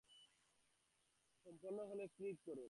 সেখানে কতক্ষণ ধরিয়া বসিয়া রহিল, রাত্রি আরো গভীরতর হইয়া আসিয়াছে।